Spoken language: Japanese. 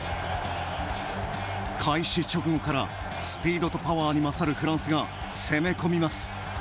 開始直後からスピードとパワーに勝るフランスが攻め込みます。